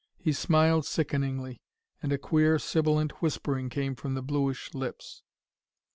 He smiled sickeningly, and a queer, sibilant whispering came from the bluish lips.